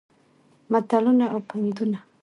متلونه او پندونه